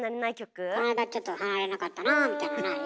この間ちょっと離れなかったなみたいなのない？